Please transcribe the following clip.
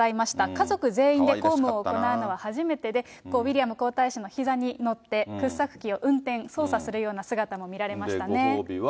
家族全員で公務を行うのは初めてで、ウィリアム皇太子のひざに乗って掘削機を運転、操作するような姿で、ご褒美は。